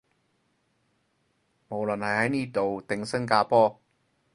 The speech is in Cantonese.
無論係喺呢度定新加坡